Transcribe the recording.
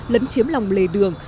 lấn chiếm lòng lề đường